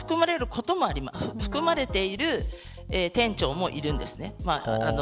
含まれている店長もいるんです。